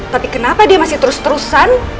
tapi kenapa dia masih terus terusan